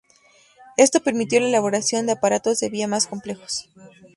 Esto permitió la elaboración de aparatos de vía más complejos.